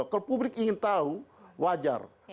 kalau publik ingin tahu wajar